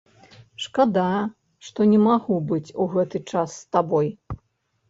Шкада, што не магу быць у гэты час з табой.